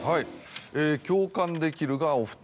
共感できるがお２人。